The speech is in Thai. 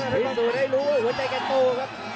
ปิศศูนย์ได้รู้หัวใจกันโกครับ